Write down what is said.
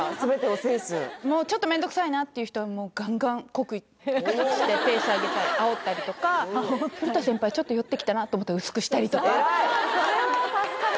もうちょっとめんどくさいなっていう人はガンガン濃くしてペース上げたりあおったりとかフルタ先輩ちょっと酔ってきたなと思ったら薄くしたりとか偉い！